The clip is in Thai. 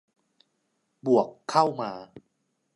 บวกเข้ามา